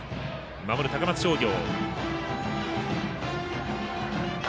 守る高松商業。